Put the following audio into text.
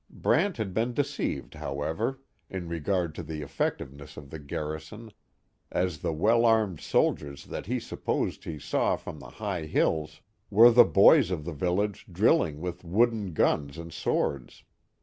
Brant had been deceived, however, in regard to the effectiveness of the garrison, as the well armed soldiers that he supposed he saw from the high hills were the boys of the village drilling with wooden guns and swords.